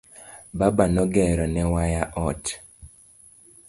Baba no gero ne waya ot.